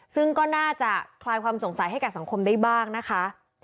ซึ่งก็น่าจะคลายความสงสัยให้กับสังคมได้บ้างนะคะ